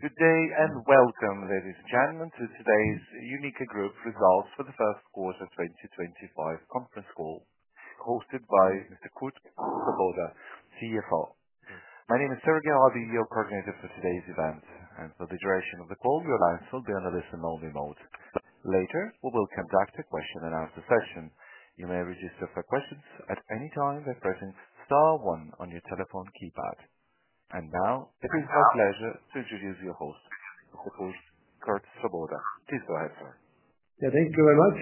Good day and welcome, ladies and gentlemen, to today's UNIQA Group results for the first quarter 2025 conference call, hosted by Mr. Kurt Svoboda, CFO. My name is Sergey. I'll be your coordinator for today's event, and for the duration of the call, your line will be on a listen-only mode. Later, we will conduct a question-and-answer session. You may register for questions at any time by pressing star one on your telephone keypad. Now, it is my pleasure to introduce your host, Mr. Kurt Svoboda. Please go ahead, sir. Yeah, thank you very much.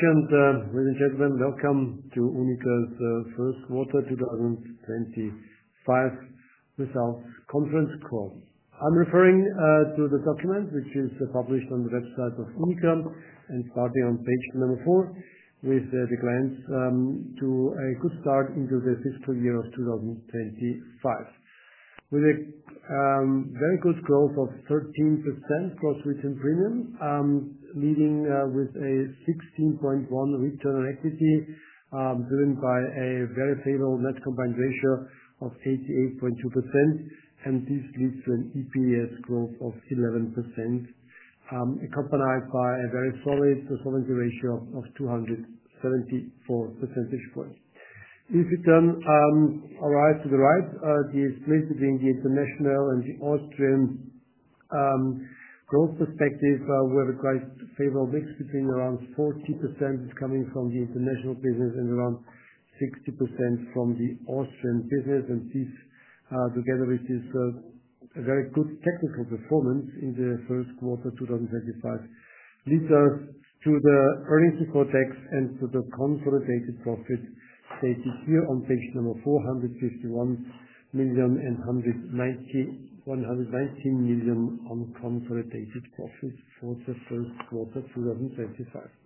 Ladies and gentlemen, welcome to UNIQA's first quarter 2025 results conference call. I'm referring to the document which is published on the website of UNIQA and starting on page number four, with the glance to a good start into the fiscal year of 2025, with a very good growth of 13% cross-region premium, leading with a 16.1% return on equity, driven by a very favorable net combined ratio of 88.2%. This leads to an EPS growth of 11%, accompanied by a very solid solvency ratio of 274 percentage points. If you turn, arrive to the right, the space between the international and the Austrian growth perspective, we have a quite favorable mix between around 40% coming from the international business and around 60% from the Austrian business. This, together with this very good technical performance in the first quarter 2025, leads us to the earnings report text and to the consolidated profit stated here on page number four, 151 million and 119 million, 119 million on consolidated profit for the first quarter 2025.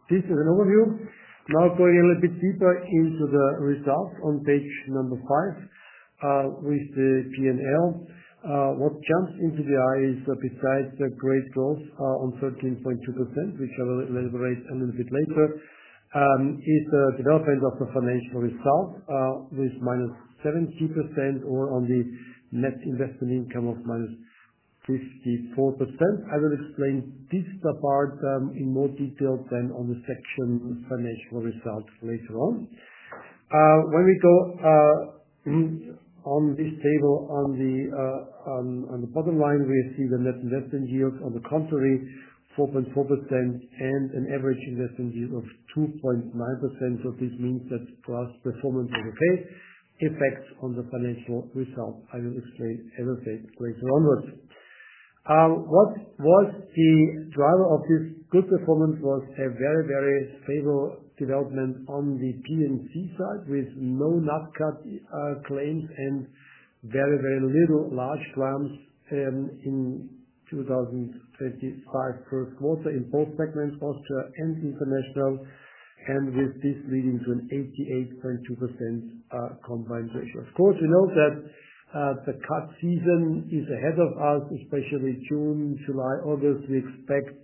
This is an overview. Now, going a little bit deeper into the results on page number five, with the P&L, what jumps into the eye is, besides the great growth, on 13.2%, which I will elaborate a little bit later, is the development of the financial result, with minus 70% or on the net investment income of minus 54%. I will explain this part in more detail than on the section financial results later on. When we go on this table, on the bottom line, we see the net investment yield on the contrary, 4.4% and an average investment yield of 2.9%. This means that for us, performance is okay. Effects on the financial result, I will explain a little bit later onwards. What was the driver of this good performance? Was a very, very stable development on the P&C side, with no NATCAT claims and very, very little large clamps, in 2025 first quarter in both segments, Austria and international. With this leading to an 88.2% combined ratio. Of course, we know that the CAT season is ahead of us, especially June, July, August. We expect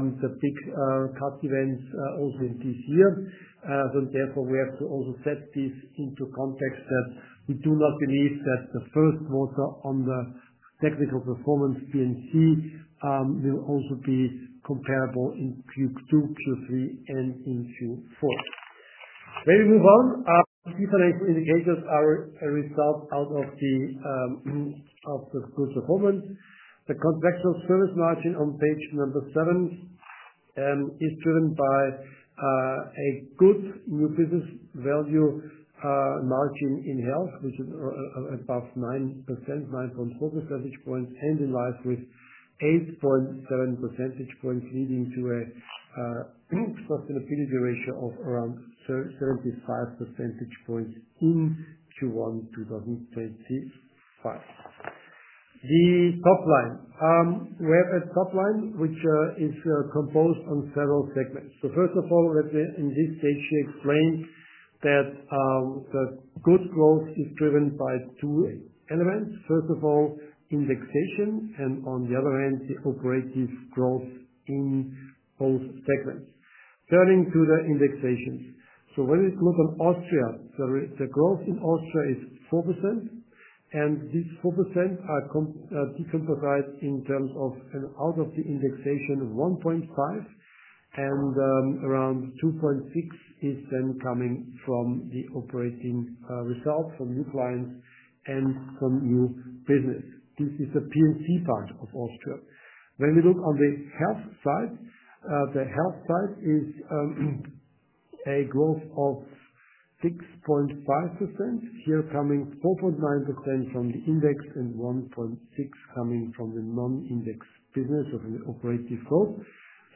the big CAT events also in this year. Therefore, we have to also set this into context that we do not believe that the first quarter on the technical performance P&C will also be comparable in Q2, Q3, and in Q4. When we move on, these financial indicators are a result of the good performance. The contractual service margin on page number seven is driven by a good new business value margin in health, which is above 9%, 9.4 percentage points, and in life with 8.7 percentage points, leading to a sustainability ratio of around 75 percentage points in Q1 2025. The top line, we have a top line which is composed of several segments. First of all, let me at this stage explain that the good growth is driven by two elements. First of all, indexation, and on the other hand, the operative growth in both segments. Turning to the indexations, when we look on Austria, the growth in Austria is 4%, and this 4% are decomposed in terms of, and out of the indexation, 1.5, and around 2.6 is then coming from the operating results from new clients and from new business. This is the P&C part of Austria. When we look on the health side, the health side is a growth of 6.5%, here coming 4.9% from the index and 1.6% coming from the non-index business or from the operative growth.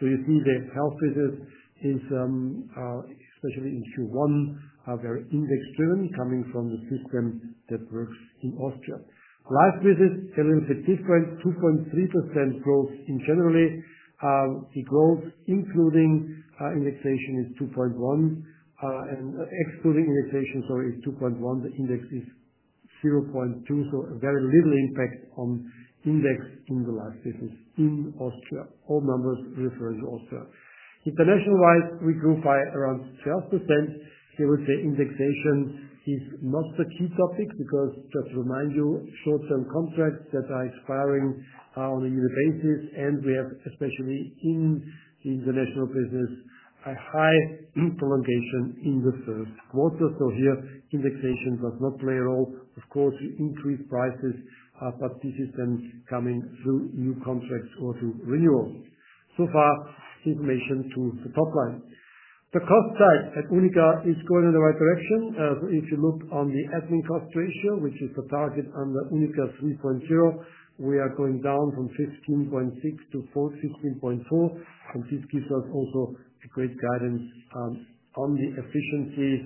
You see the health business is, especially in Q1, very index-driven, coming from the system that works in Austria. Life business, a little bit different, 2.3% growth in general. The growth, including indexation, is 2.1, and excluding indexation, sorry, is 2.1. The index is 0.2, so very little impact on index in the life business in Austria. All numbers refer to Austria. International-wise, we grew by around 12%. Here we say indexation is not the key topic because, just to remind you, short-term contracts that are expiring, on a yearly basis, and we have especially in the international business, a high prolongation in the first quarter. Here, indexation does not play a role. Of course, we increase prices, but this is then coming through new contracts or through renewals. So far, information to the top line. The cost side at UNIQA is going in the right direction. If you look on the admin cost ratio, which is the target under UNIQA 3.0, we are going down from 15.6% to 15.4%, and this gives us also a great guidance on the efficiencies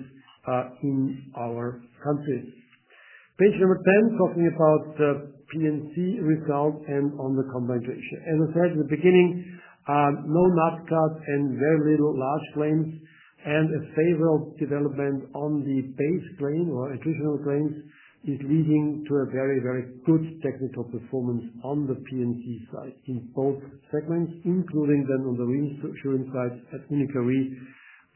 in our country. Page number 10, talking about the P&C result and on the combined ratio. As I said at the beginning, no NATCAT and very little large claims, and a favorable development on the base claim or attritional claims is leading to a very, very good technical performance on the P&C side in both segments, including then on the reinsurance side at UNIQA Re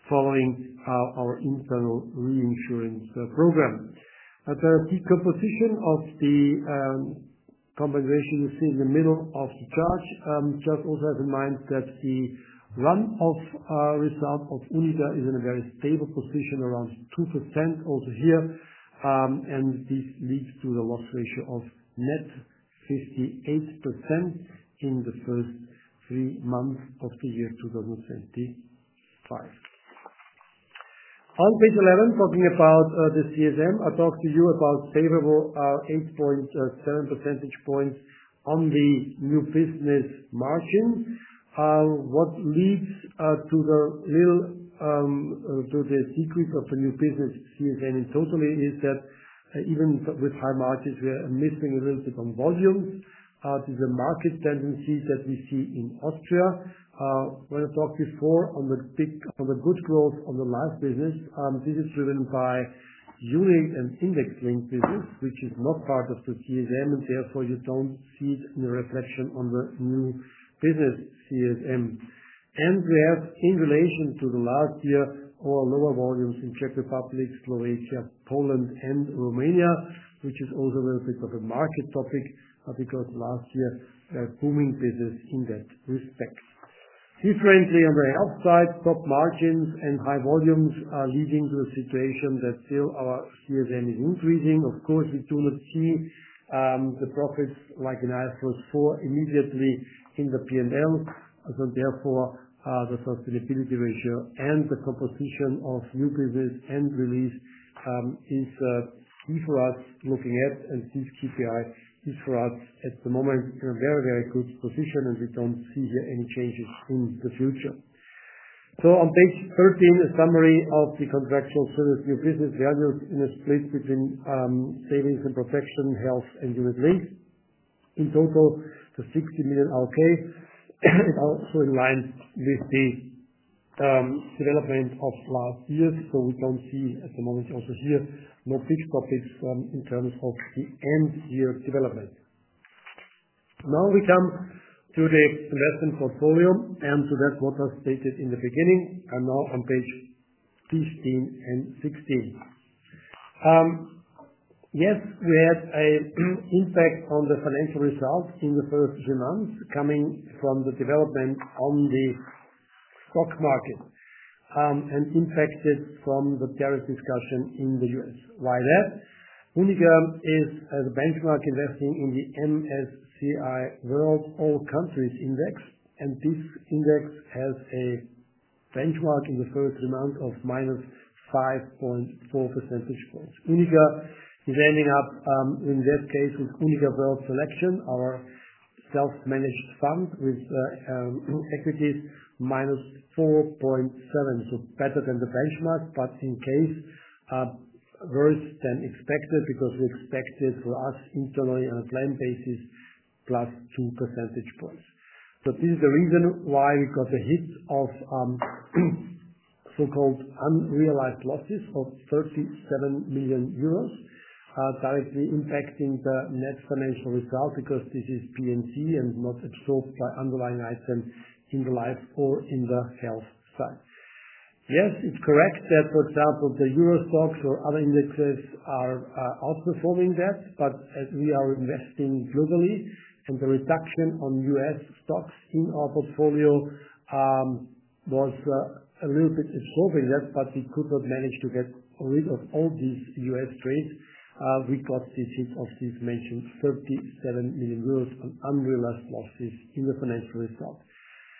following our internal reinsurance program. The decomposition of the combination ratio you see in the middle of the chart, just also have in mind that the run-off result of UNIQA is in a very stable position, around 2% also here, and this leads to the loss ratio of net 58% in the first three months of the year 2025. On page 11, talking about the CSM, I talked to you about favorable 8.7 percentage points on the new business margin. What leads to the little, to the decrease of the new business CSM in total is that, even with high margins, we are missing a little bit on volumes. This is a market tendency that we see in Austria. When I talked before on the big, on the good growth on the life business, this is driven by unit and index-linked business, which is not part of the CSM, and therefore you do not see it in the reflection on the new business CSM. We have, in relation to the last year, lower volumes in Czech Republic, Slovakia, Poland, and Romania, which is also a little bit of a market topic, because last year, booming business in that respect. Differentially, on the health side, top margins and high volumes are leading to a situation that still our CSM is increasing. Of course, we do not see the profits like in IFRS 4 immediately in the P&L. Therefore, the sustainability ratio and the composition of new business and release is key for us looking at, and this KPI is for us at the moment in a very, very good position, and we do not see here any changes in the future. On page 13, a summary of the contractual service new business values in a split between savings and protection, health, and unit linked. In total, the 60 million, it also in line with the development of last year. We do not see at the moment also here no fixed topics in terms of the end-year development. Now we come to the investment portfolio and to that what was stated in the beginning, and now on page 15 and 16. Yes, we had an impact on the financial result in the first three months coming from the development on the stock market, and impacted from the tariff discussion in the US. Why that? UNIQA is a benchmark investing in the MSCI World All Country Index, and this index has a benchmark in the first three months of minus 5.4 percentage points. UNIQA is ending up, in that case with UNIQA World Selection, our self-managed fund with, equities minus 4.7, so better than the benchmark, but in case, worse than expected because we expected for us internally on a planned basis plus 2 percentage points. This is the reason why we got a hit of, so-called unrealized losses of 37 million euros, directly impacting the net financial result because this is P&C and not absorbed by underlying items in the life or in the health side. Yes, it's correct that, for example, the Euro Stoxx or other indexes are outperforming that, but as we are investing globally and the reduction on US stocks in our portfolio was a little bit absorbing that, but we could not manage to get rid of all these US trades. We got this hit of these mentioned 37 million euros on unrealized losses in the financial result.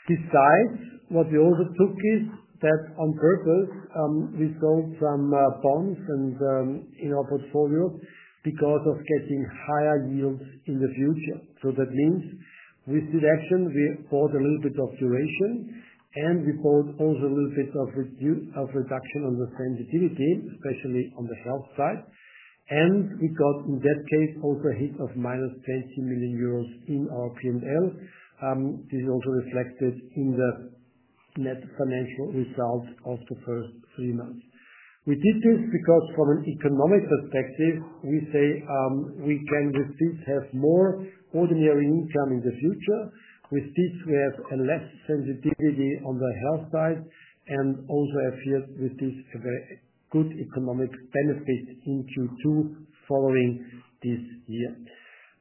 Besides, what we also took is that on purpose, we sold some bonds in our portfolio because of getting higher yields in the future. That means with the action, we bought a little bit of duration, and we bought also a little bit of reduction on the sensitivity, especially on the health side. We got in that case also a hit of minus 20 million euros in our P&L. This is also reflected in the net financial result of the first three months. We did this because from an economic perspective, we say, we can with this have more ordinary income in the future. With this, we have less sensitivity on the health side and also have here with this a very good economic benefit in Q2 following this year.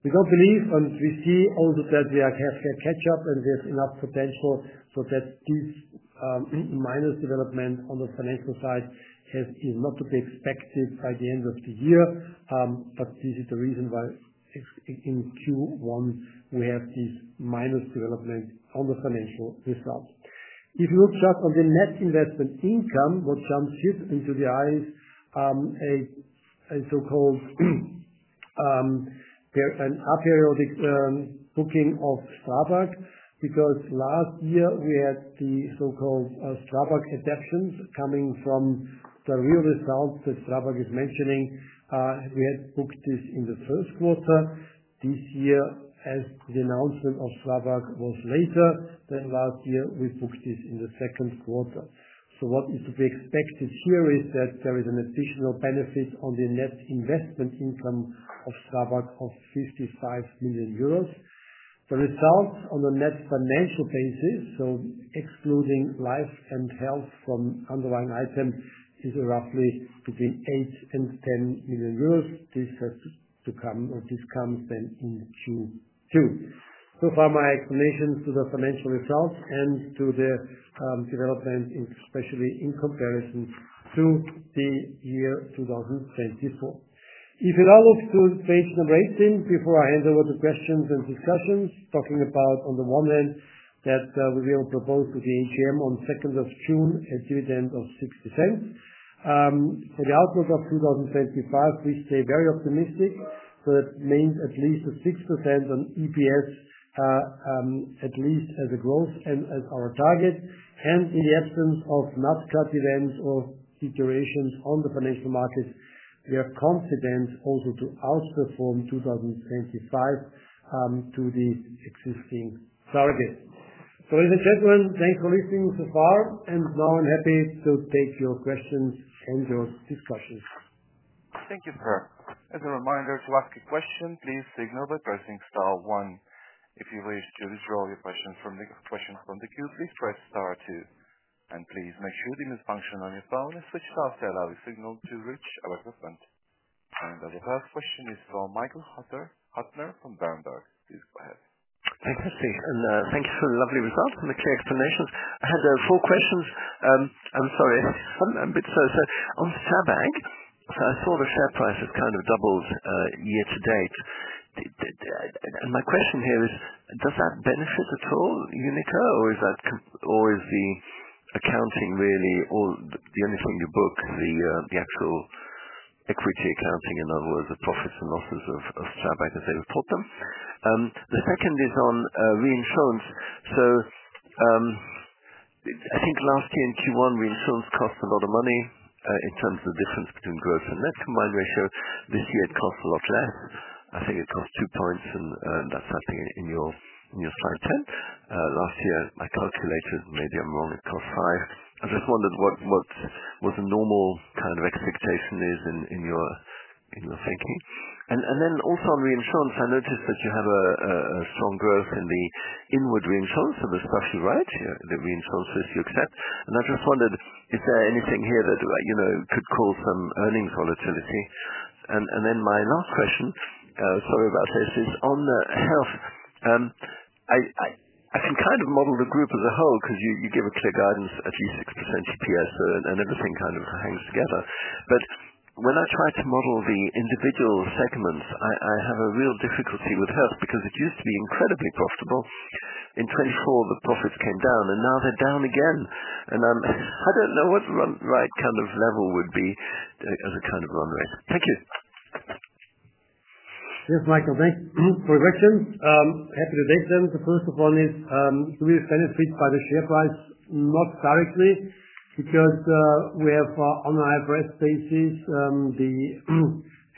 We do not believe, and we see also that we have healthcare catch-up and we have enough potential so that this minus development on the financial side is not to be expected by the end of the year. This is the reason why in Q1 we have this minus development on the financial result. If you look just on the net investment income, what jumps here into the eye is a so-called aperiodic booking of STRABAG because last year we had the so-called STRABAG adaptions coming from the real results that STRABAG is mentioning. We had booked this in the first quarter. This year, as the announcement of STRABAG was later than last year, we booked this in the second quarter. What is to be expected here is that there is an additional benefit on the net investment income of STRABAG of 55 million euros. The result on the net financial basis, excluding life and health from underlying items, is roughly between 8-10 million euros. This has to come or this comes then in Q2. So far, my explanations to the financial results and to the development, especially in comparison to the year 2024. If you now look to page number 18, before I hand over to questions and discussions, talking about on the one hand that, we will propose to the AGM on 2nd of June a dividend of 6%. For the outlook of 2025, we stay very optimistic. That means at least a 6% on EPS, at least as a growth and as our target. In the absence of NATCAT events or deteriorations on the financial markets, we are confident also to outperform 2025, to the existing target. Ladies and gentlemen, thanks for listening so far, and now I'm happy to take your questions and your discussions. Thank you, sir. As a reminder, to ask a question, please signal by pressing star one. If you wish to withdraw your questions from the queue, please press star two. Please make sure the music function on your phone is switched off to allow your signal to reach our equipment. The first question is for Michael Hutter from Berenberg. Please go ahead. Fantastic. Thank you for the lovely results and the clear explanations. I had four questions. I'm sorry, I'm a bit so, so on STRABAG, I saw the share price has kind of doubled year to date. My question here is, does that benefit at all UNIQA, or is the accounting really all the, the only thing you book, the actual equity accounting, in other words, the profits and losses of STRABAG as they report them? The second is on reinsurance. I think last year in Q1, reinsurance cost a lot of money, in terms of the difference between gross and net combined ratio. This year it cost a lot less. I think it cost two points, and that's something in your slide 10. Last year, my calculator, maybe I'm wrong, it cost five. I just wondered what was the normal kind of expectation in your thinking. Also, on reinsurance, I noticed that you have strong growth in the inward reinsurance of the stuff you write, the reinsurances you accept. I just wondered, is there anything here that could cause some earnings volatility? My last question, sorry about this, is on the health. I can kind of model the group as a whole because you give a clear guidance, at least 6% EPS, and everything kind of hangs together. When I try to model the individual segments, I have a real difficulty with health because it used to be incredibly profitable. In 2024, the profits came down, and now they are down again. I don't know what kind of run rate level would be as a kind of run rate. Thank you. Yes, Michael, thanks for the question. Happy to date them. The first of one is, do we expand the suite by the share price? Not directly because we have, on our IFRS basis, the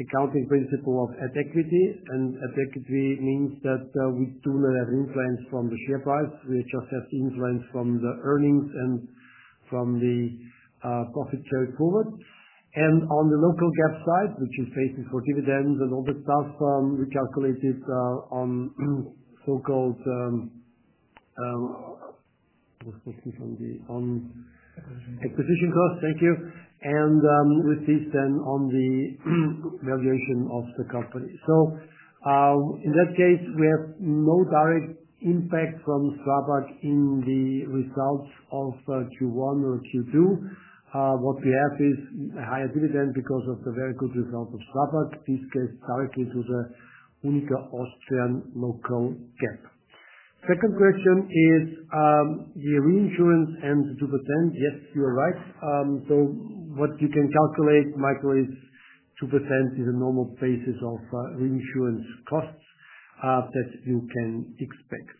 accounting principle of at equity, and at equity means that we do not have an influence from the share price. We just have the influence from the earnings and from the profit carried forward. On the local GAAP side, which is basically for dividends and all this stuff, we calculated on so-called, what's the key from the on. Acquisition cost. Acquisition cost, thank you. With this then on the valuation of the company. In that case, we have no direct impact from STRABAG in the results of Q1 or Q2. What we have is a higher dividend because of the very good result of STRABAG, this case directly to the UNIQA Austrian local GAAP. Second question is, the reinsurance and the 2%. Yes, you are right. What you can calculate, Michael, is 2% is a normal basis of reinsurance costs that you can expect.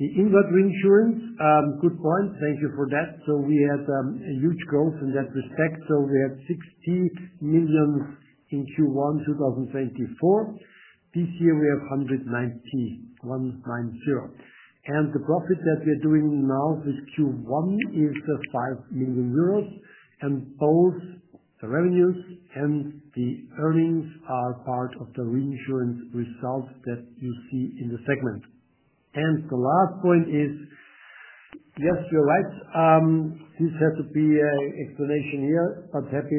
The inward reinsurance, good point. Thank you for that. We had a huge growth in that respect. We had 60 million in Q1 2024. This year we have 190 million, 190. The profit that we are doing now with Q1 is 5 million euros, and both the revenues and the earnings are part of the reinsurance result that you see in the segment. The last point is, yes, you're right. This has to be an explanation here, but happy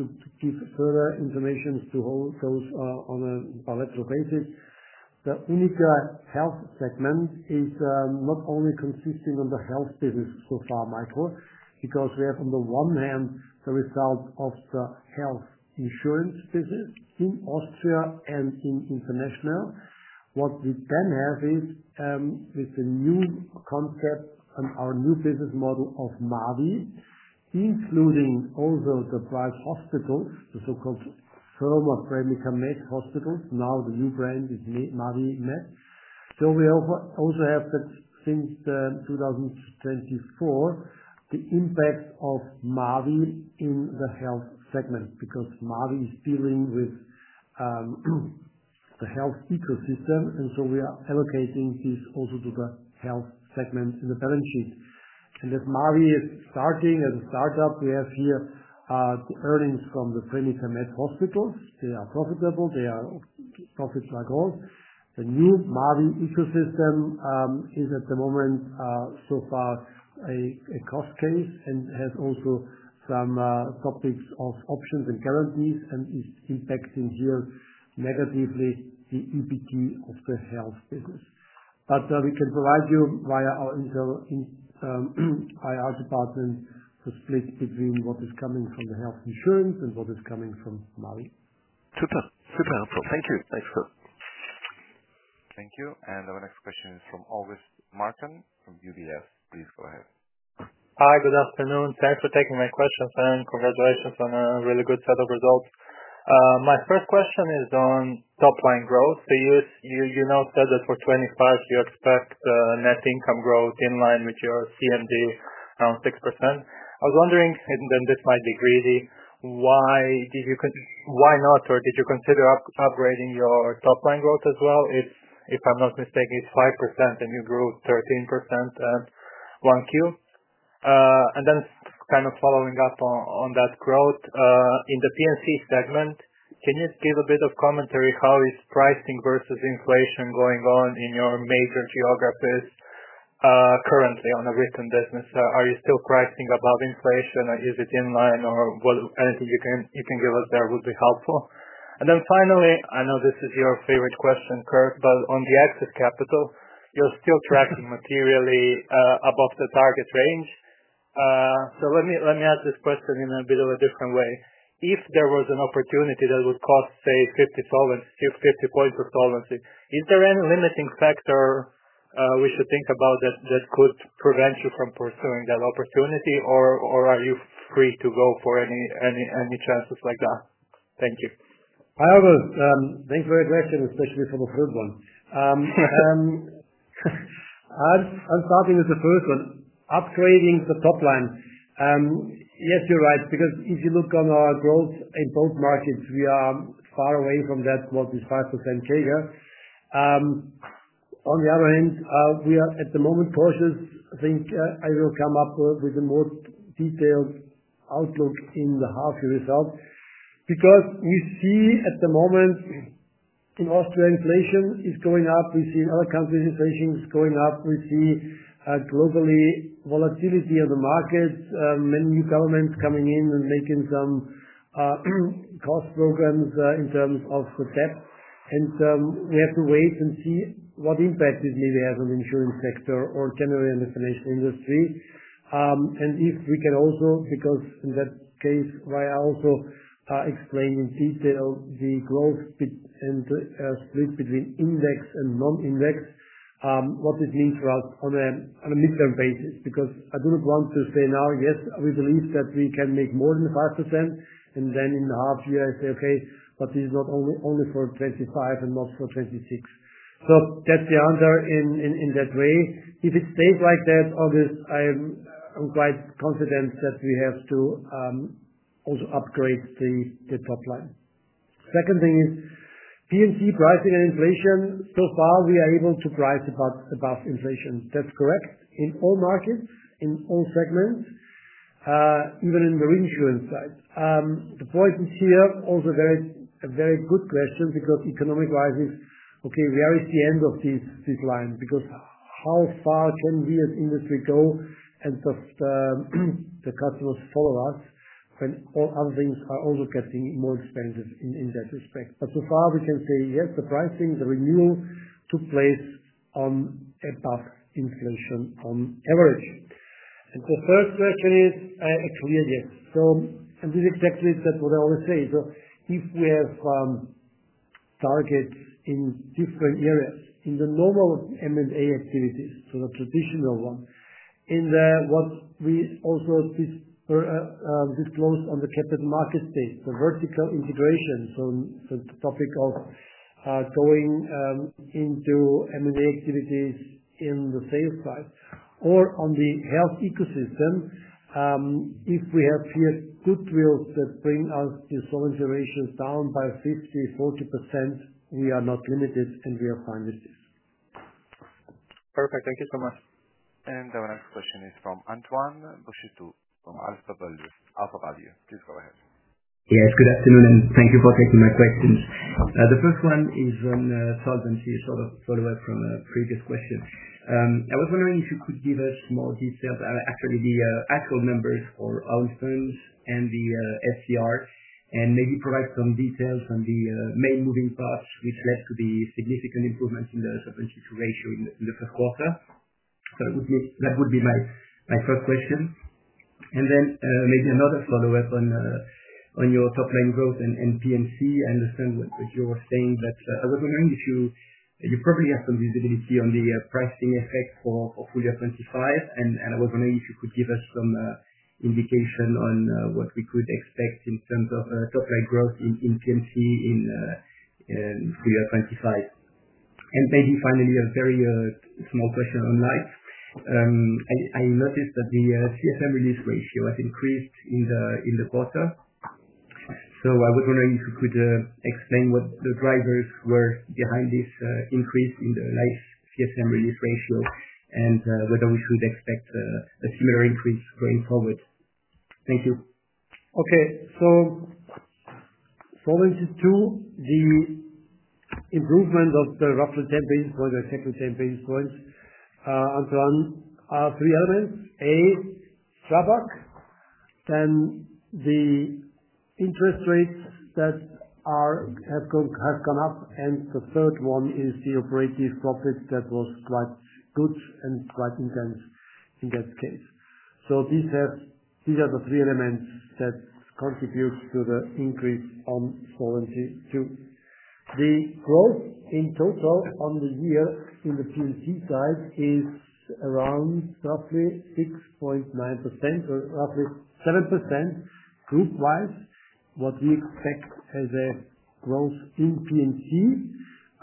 to give further information to all those on a bilateral basis. The UNIQA health segment is not only consisting of the health business so far, Michael, because we have on the one hand the result of the health insurance business in Austria and in international. What we then have is, with the new concept and our new business model of Mavie, including also the private hospitals, the so-called former PremiQaMed hospitals, now the new brand is Mavie Med. We also have that since 2024, the impact of Mavie in the health segment because Mavie is dealing with the health ecosystem, and we are allocating this also to the health segment in the balance sheet. As Mavie is starting as a startup, we have here the earnings from the PremiQaMed hospitals. They are profitable. They are profits like all. The new Mavie ecosystem is at the moment, so far, a cost case and has also some topics of options and guarantees and is impacting here negatively the EBT of the health business. We can provide you via our internal IR department to split between what is coming from the health insurance and what is coming from Mavie. Super. Super helpful. Thank you. Thanks, Kurt. Thank you. Our next question is from August Marčan from UBS. Please go ahead. Hi, good afternoon. Thanks for taking my questions, and congratulations on a really good set of results. My first question is on top line growth. You now said that for 2025 you expect net income growth in line with your CMD around 6%. I was wondering, and this might be greedy, why did you, why not, or did you consider upgrading your top line growth as well? If I'm not mistaken, it's 5%, and you grew 13% in Q1. Following up on that growth, in the P&C segment, can you give a bit of commentary how is pricing versus inflation going on in your major geographies currently on written business? Are you still pricing above inflation, or is it in line, or anything you can give us there would be helpful? I know this is your favorite question, Kurt, but on the excess capital, you're still tracking materially above the target range. Let me ask this question in a bit of a different way. If there was an opportunity that would cost, say, 50 basis points of solvency, is there any limiting factor we should think about that could prevent you from pursuing that opportunity, or are you free to go for any chances like that? Thank you. I have a, thanks for the question, especially for the third one. I'm starting with the first one, upgrading the top line. Yes, you're right, because if you look on our growth in both markets, we are far away from that, what is 5% CAGR. On the other hand, we are at the moment cautious. I think I will come up with a more detailed outlook in the half-year result because we see at the moment in Austria inflation is going up. We see in other countries inflation is going up. We see globally volatility of the markets, many new governments coming in and making some cost programs, in terms of the debt. We have to wait and see what impact this maybe has on the insurance sector or generally on the financial industry. If we can also, because in that case, why I also explained in detail the growth and split between index and non-index, what this means for us on a midterm basis, because I do not want to say now, yes, we believe that we can make more than 5%, and then in the half-year I say, okay, but this is not only for 2025 and not for 2026. That is the answer in that way. If it stays like that, August, I am quite confident that we have to also upgrade the top line. Second thing is P&C pricing and inflation. So far, we are able to price above inflation. That is correct in all markets, in all segments, even in the reinsurance side. The point is here also a very good question because economic wise, it's, okay, where is the end of this line? Because how far can we as industry go and does the customers follow us when all other things are also getting more expensive in that respect? So far, we can say, yes, the pricing, the renewal took place on above inflation on average. The third question is a clear yes. This is exactly that what I always say. If we have targets in different areas, in the normal M&A activities, the traditional one, in what we also disclosed on the capital market space, the vertical integration, the topic of going into M&A activities in the sales side or on the health ecosystem, if we have here goodwills that bring us the solvent durations down by 50-40%, we are not limited, and we are fine with this. Perfect. Thank you so much. Our next question is from Antoine Bouchetout from AlphaValue. AlphaValue, please go ahead. Yes, good afternoon, and thank you for taking my questions. The first one is on solvency, a sort of follow-up from a previous question. I was wondering if you could give us more details, actually the actual numbers for our own firms and the SCR, and maybe provide some details on the main moving parts which led to the significant improvements in the solvency ratio in the first quarter. That would be my first question. Then maybe another follow-up on your top line growth and P&C. I understand what you were saying, but I was wondering if you probably have some visibility on the pricing effect for full year 2025, and I was wondering if you could give us some indication on what we could expect in terms of top line growth in P&C in full year 2025. Maybe finally a very small question on life. I noticed that the CSM release ratio has increased in the quarter. I was wondering if you could explain what the drivers were behind this increase in the life CSM release ratio and whether we should expect a similar increase going forward. Thank you. Okay. Solvency II, the improvement of the roughly 10 basis points or exactly 10 basis points, Antoine, are three elements. A, STRABAG, then the interest rates that have gone, have come up, and the third one is the operative profit that was quite good and quite intense in that case. These are the three elements that contribute to the increase on Solvency II. The growth in total on the year in the P&C side is around roughly 6.9% or roughly 7% group-wise. What we expect as a growth in P&C,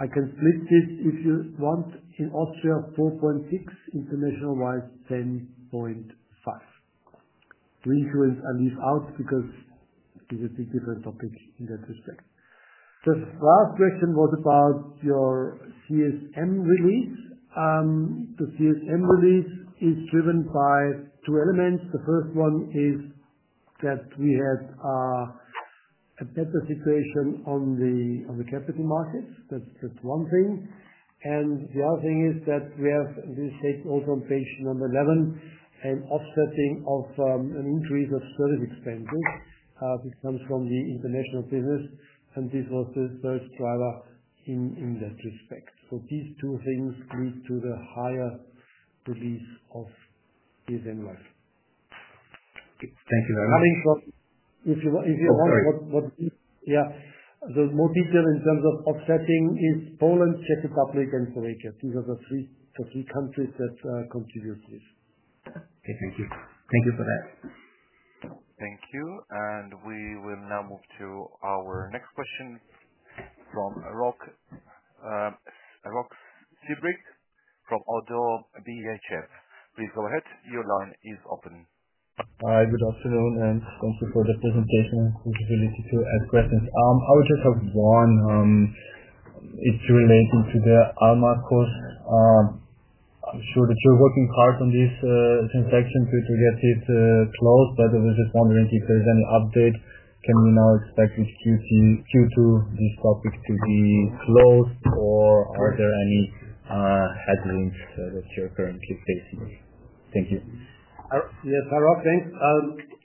I can split this if you want. In Austria, 4.6%; international-wise, 10.5%. Reinsurance, I leave out because it is a different topic in that respect. The last question was about your CSM release. The CSM release is driven by two elements. The first one is that we had a better situation on the capital markets. That's one thing. The other thing is that we have this state also on page number 11, an offsetting of an increase of service expenses, which comes from the international business, and this was the third driver in that respect. These two things lead to the higher release of CSM life. Thank you very much. If you want, the more detail in terms of offsetting is Poland, Czech Republic, and Slovakia. These are the three countries that contribute to this. Okay. Thank you. Thank you for that. Thank you. We will now move to our next question from Rok Sebricht from Oddo BHF. Please go ahead. Your line is open. Hi, good afternoon, and thank you for the presentation and possibility to ask questions. I would just have one, it's relating to the ALMAKOS. I'm sure that you're working hard on this transaction to get it closed, but I was just wondering if there's any update. Can we now expect with Q2 this topic to be closed, or are there any headwinds that you're currently facing? Thank you. Yes, Rok. Thanks.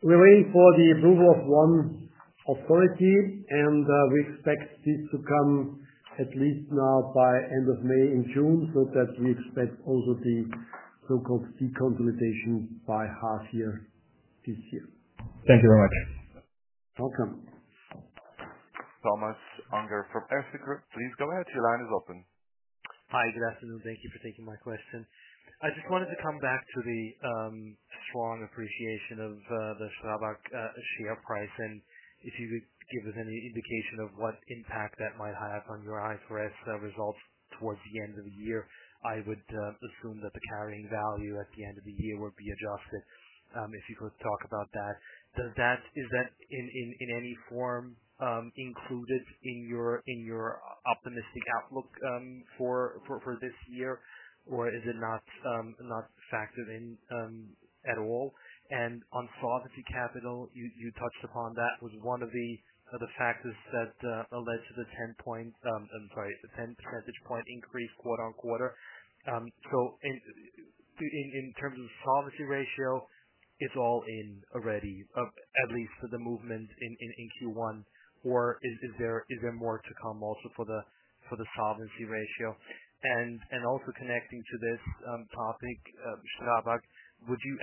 We're waiting for the approval of one authority, and we expect this to come at least now by end of May and June, so that we expect also the so-called deconsolidation by half-year this year. Thank you very much. You're welcome. Thomas Unger from Erste Group, please go ahead. Your line is open. Hi, good afternoon. Thank you for taking my question. I just wanted to come back to the strong appreciation of the STRABAG share price, and if you could give us any indication of what impact that might have on your IFRS results towards the end of the year. I would assume that the carrying value at the end of the year would be adjusted. If you could talk about that, does that, is that in any form included in your optimistic outlook for this year, or is it not factored in at all? On solvency capital, you touched upon that was one of the factors that led the 10 percentage point increase quarter on quarter. In terms of solvency ratio, it's all in already, at least for the movement in Q1, or is there more to come also for the solvency ratio? Also connecting to this topic, STRABAG, would you,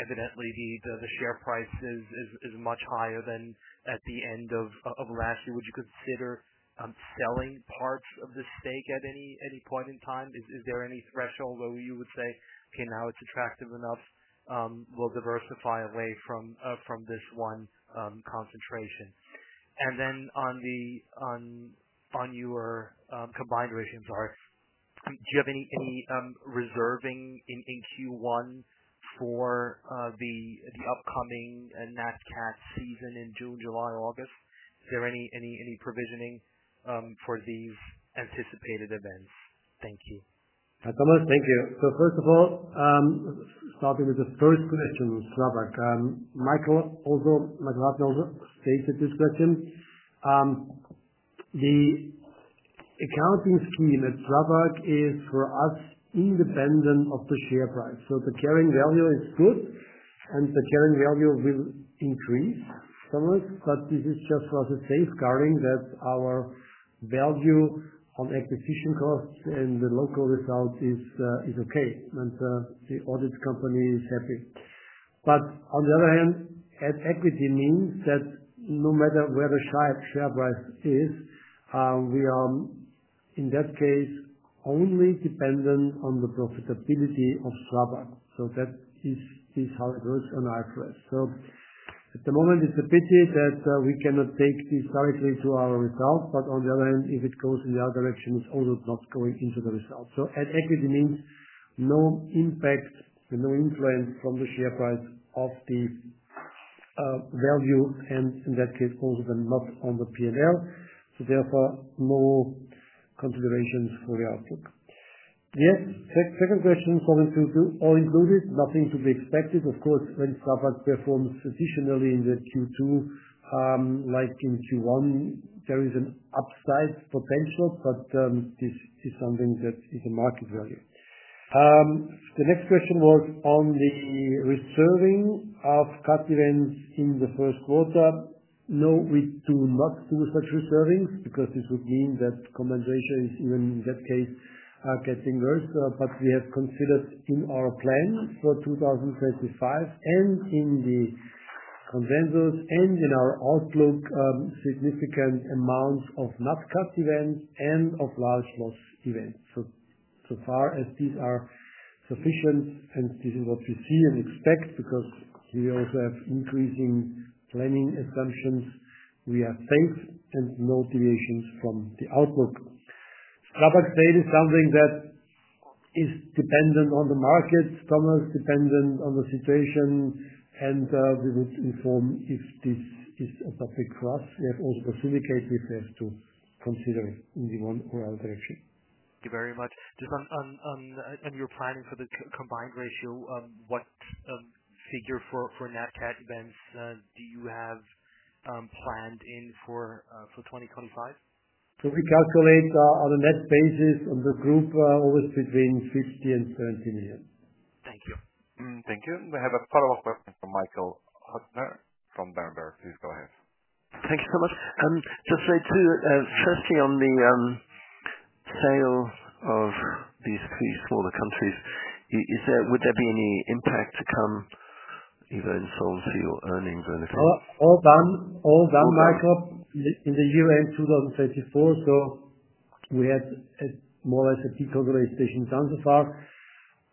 evidently the share price is much higher than at the end of last year. Would you consider selling parts of the stake at any point in time? Is there any threshold where you would say, okay, now it's attractive enough, we'll diversify away from this one concentration? On your combined ratio, sorry, do you have any reserving in Q1 for the upcoming NATCAT season in June, July, August? Is there any provisioning for these anticipated events? Thank you. Thomas, thank you. First of all, starting with the first question, STRABAG, Michael, also Michael Hutter stated this question. The accounting scheme at STRABAG is for us independent of the share price. The carrying value is good, and the carrying value will increase, Thomas, but this is just for us a safeguarding that our value on acquisition costs and the local result is okay, and the audit company is happy. On the other hand, at equity means that no matter where the share price is, we are, in that case, only dependent on the profitability of STRABAG. That is how it works on IFRS. At the moment, it's a pity that we cannot take this directly to our result, but on the other hand, if it goes in the other direction, it's also not going into the result. At equity means no impact and no influence from the share price of the value, and in that case, also then not on the P&L. Therefore, no considerations for the outlook. Yes, second question, solvency II all included, nothing to be expected. Of course, when STRABAG performs additionally in Q2, like in Q1, there is an upside potential, but this is something that is a market value. The next question was on the reserving of NATCAT events in the first quarter. No, we do not do such reservings because this would mean that combined ratio is, even in that case, getting worse, but we have considered in our plan for 2025 and in the consensus and in our outlook, significant amounts of NATCAT events and of large loss events. So far as these are sufficient, and this is what we see and expect because we also have increasing planning assumptions, we have faith and no deviations from the outlook. STRABAG stake is something that is dependent on the market, Thomas, dependent on the situation, and we would inform if this is a topic for us. We have also to communicate if we have to consider it in the one or other direction. Thank you very much. Just on your planning for the combined ratio, what figure for NATCAT events do you have planned in for 2025? We calculate, on a net basis on the group, always between 50 million and 70 million. Thank you. Thank you. We have a follow-up question from Michael Hutter from Berenberg. Please go ahead. Thank you so much. Just to say, firstly on the sale of these three smaller countries, is there, would there be any impact to come either in solvency or earnings or anything? All done, Michael, in the year end 2024, so we had more or less a de-consolidation done so far.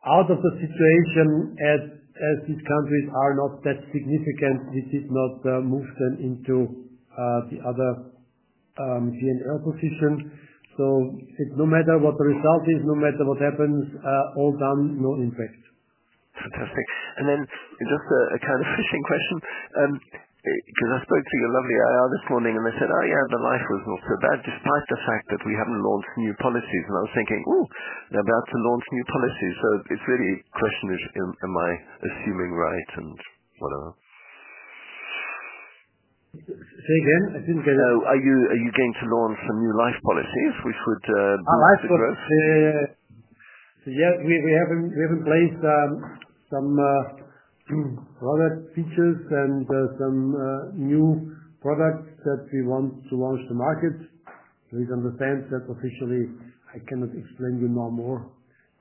Out of the situation, as these countries are not that significant, we did not move them into the other P&L position. It no matter what the result is, no matter what happens, all done, no impact. Fantastic. And then just a kind of finishing question, because I spoke to your lovely IR this morning, and they said, "Oh, yeah, the life was not so bad despite the fact that we haven't launched new policies." And I was thinking, "Ooh, they're about to launch new policies." So it's really a question of, am I assuming right and whatever. Say again? I didn't get it. Are you going to launch some new life policies which would be? Life policies, yeah, we haven't placed some product features and some new products that we want to launch to market. Please understand that officially I cannot explain you no more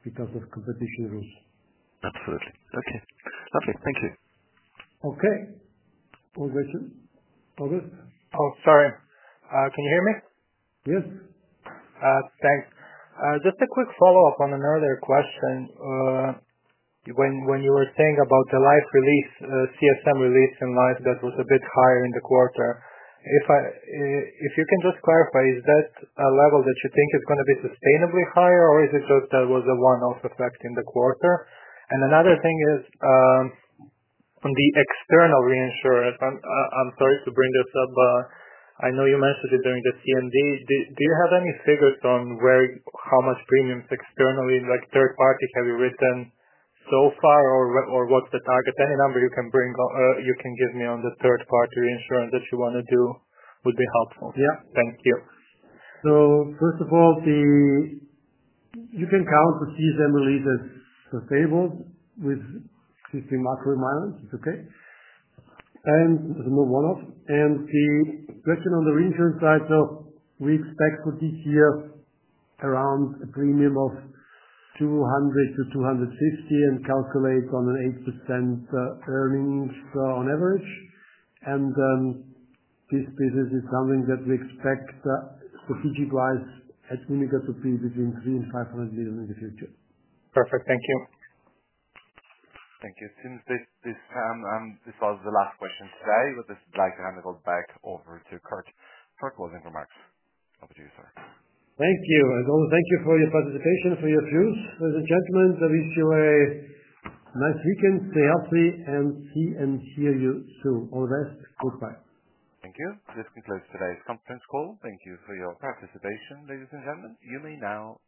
because of competition rules. Absolutely. Okay. Lovely. Thank you. Okay. One question. August? Oh, sorry. Can you hear me? Yes. Thanks. Just a quick follow-up on an earlier question. When you were saying about the life release, CSM release in life that was a bit higher in the quarter, if you can just clarify, is that a level that you think is going to be sustainably higher, or is it just that was a one-off effect in the quarter? Another thing is, on the external reinsurance, I'm sorry to bring this up, I know you mentioned it during the CMD. Do you have any figures on where, how much premiums externally, like third party, have you written so far, or what's the target? Any number you can give me on the third party reinsurance that you want to do would be helpful. Yeah. Thank you. First of all, you can count the CSM release as sustainable with 15 macro requirements. It is okay. There is no one-off. The question on the reinsurance side, we expect for this year around a premium of 200 million-250 million and calculate on an 8% earnings, on average. This business is something that we expect, strategic-wise at UNIQA, to be between 300 million and 500 million in the future. Perfect. Thank you. Thank you. It seems this was the last question today, but I'd like to hand it all back over to Kurt for closing remarks. Over to you, sir. Thank you. And also thank you for your participation, for your views, ladies and gentlemen. I wish you a nice weekend. Stay healthy and see and hear you soon. All the best. Goodbye. Thank you. This concludes today's conference call. Thank you for your participation, ladies and gentlemen. You may now disconnect.